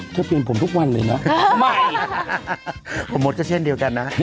เธอเปลี่ยนผมทุกวันเลยนะไม่ผมมดก็เช่นเดียวกันนะ